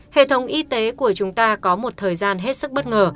hệ thống y tế của chúng ta có một thời gian hết sức bất ngờ